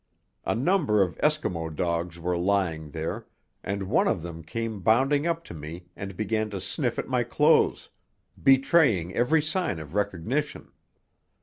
A number of Eskimo dogs were lying there, and one of them came bounding up to me and began to sniff at my clothes, betraying every sign of recognition.